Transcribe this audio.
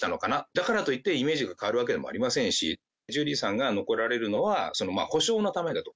だからといって、イメージが変わるわけでもありませんし、ジュリーさんが残られるのは、補償のためだと。